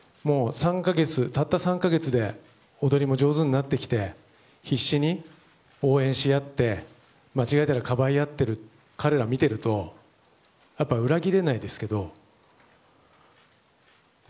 たった３か月で踊りも上手になってきて必死に応援し合って間違えたらかばい合っている彼らを見ていると裏切れないですけど。